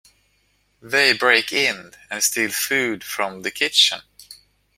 They break in and steal food from the kitchen.